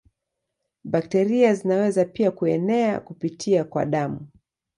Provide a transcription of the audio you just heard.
Bakteria zinaweza pia kuenea kupitia kwa damu.